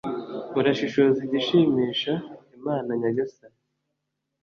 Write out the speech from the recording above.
r/ murashishoze igishimisha imana nyagasani